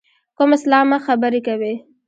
کوم اسلامه خبرې کوې.